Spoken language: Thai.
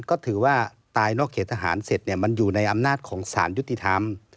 ก็ถือว่าตายนอกเขตทหารเสร็จมันอยู่ในอำนาจของสารยุติธรรม